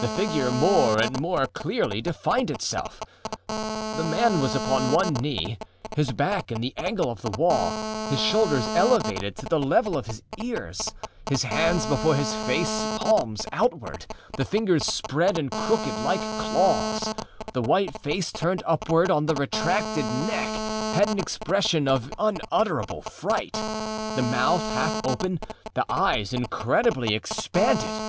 The figure more and more clearly defined itself. The man was upon one knee, his back in the angle of the wall, his shoulders elevated to the level of his ears, his hands before his face, palms outward, the fingers spread and crooked like claws; the white face turned upward on the retracted neck had an expression of unutterable fright, the mouth half open, the eyes incredibly expanded.